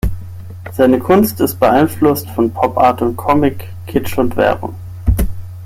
Seine Kunst ist beeinflusst von Popart und Comic, Kitsch und Werbung.